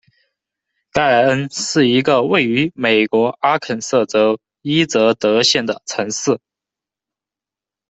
盖恩是一个位于美国阿肯色州伊泽德县的城市。